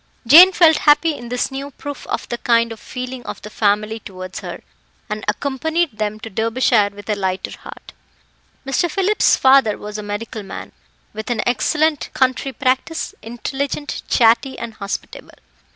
Jane felt happy in this new proof of the kind feeling of the family towards her, and accompanied them to Derbyshire with a lighter heart. Mr. Phillip's father was a medical man, with an excellent country practice, intelligent, chatty, and hospitable.